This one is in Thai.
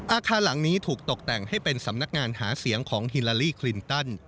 อาคารหลังนี้ถูกตกแต่งให้เป็นสำนักงานหาเสียงของฮิลาลีคลินตัน